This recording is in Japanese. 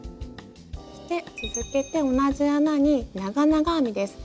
続けて同じ穴に長々編みです。